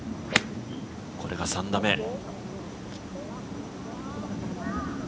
これが、３打目。